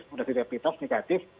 sudah didepriptas negatif